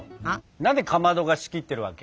何でかまどが仕切ってるわけ？